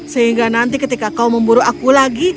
sehingga nanti ketika kau memburu aku lagi